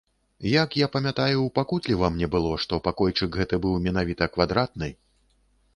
Як, я памятаю, пакутліва мне было, што пакойчык гэты быў менавіта квадратны.